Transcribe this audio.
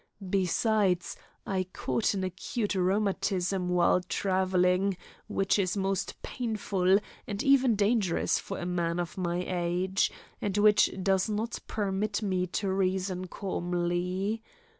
Besides, I caught an acute rheumatism while travelling, which is most painful and even dangerous for a man of my age, and which does not permit me to reason calmly.